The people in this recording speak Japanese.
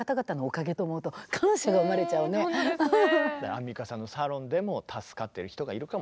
アンミカさんのサロンでも助かってる人がいるかもしれない。